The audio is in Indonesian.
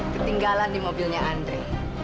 ketinggalan di mobilnya andre